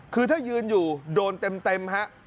คือถ้ายืนอยู่โดนเต็มฮะ